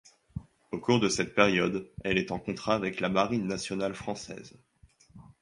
Au cours de cette période, elle est en contrat avec la Marine nationale française.